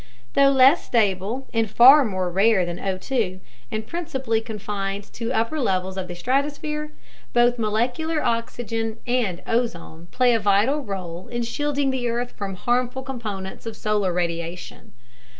Though less stable and far more rare than O2, and principally confined to upper levels of the stratosphere, both molecular oxygen and ozone play a vital role in shielding the earth from harmful components of solar radiation.